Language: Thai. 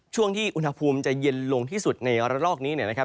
ช่วงที่อุณหภูมิจะเย็นลงที่สุดในระลอกนี้นะครับ